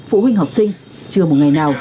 phụ huynh học sinh chưa một ngày nào